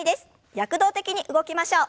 躍動的に動きましょう。